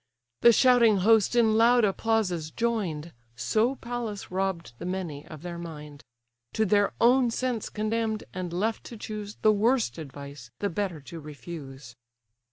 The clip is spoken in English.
The shouting host in loud applauses join'd; So Pallas robb'd the many of their mind; To their own sense condemn'd, and left to choose The worst advice, the better to refuse.